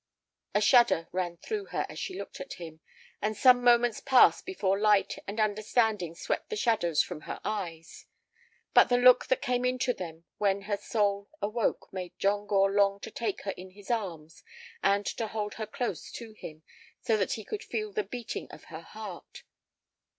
A shudder ran through her as she looked at him, and some moments passed before light and understanding swept the shadows from her eyes. But the look that came into them when her soul awoke made John Gore long to take her in his arms and to hold her close to him, so that he could feel the beating of her heart.